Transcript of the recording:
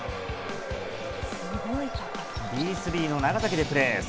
Ｂ３の長崎でプレー。